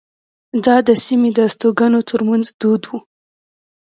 دا د سیمې د استوګنو ترمنځ دود وو.